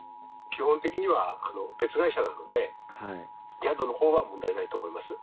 基本的には別会社なので、宿のほうは問題ないと思います。